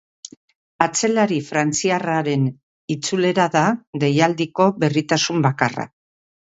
Atzelari frantziarraren itzulera da deialdiko berritasun bakarra.